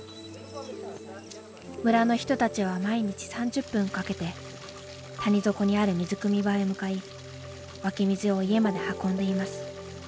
村の人たちは毎日３０分かけて谷底にある水くみ場へ向かい湧き水を家まで運んでいます。